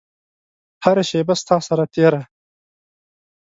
هره شیبه ستا سره تیره